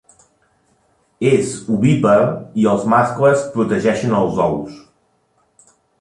És ovípar i els mascles protegeixen els ous.